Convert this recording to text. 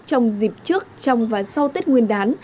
trong dịp trước trong và sau tết nguyên đán